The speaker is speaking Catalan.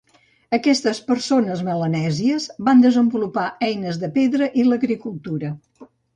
Aquestes persones melanèsies van desenvolupar eines de pedra i l'agricultura.